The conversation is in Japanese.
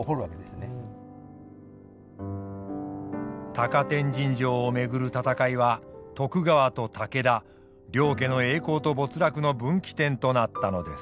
高天神城を巡る戦いは徳川と武田両家の栄光と没落の分岐点となったのです。